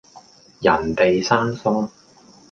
人地生疏